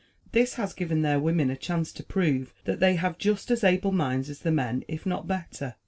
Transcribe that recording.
This has given their women a chance to prove that they have just as able minds as the men, if not better.